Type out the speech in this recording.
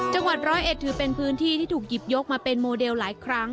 จังหวัดร้อยเอ็ดถือเป็นพื้นที่ที่ถูกหยิบยกมาเป็นโมเดลหลายครั้ง